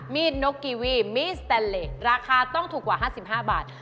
นกกีวีมีดสแตนเลสราคาต้องถูกกว่า๕๕บาท